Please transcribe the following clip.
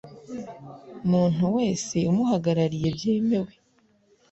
muntu wese umuhagarariye byemewe